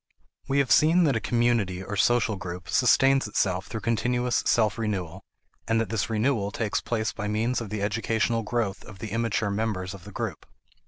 We have seen that a community or social group sustains itself through continuous self renewal, and that this renewal takes place by means of the educational growth of the immature members of the group.